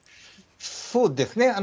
そうですね。